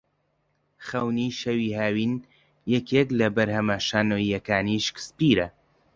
خەونی شەوی هاوین یەکێک لە بەرهەمە شانۆییەکانی شکسپیرە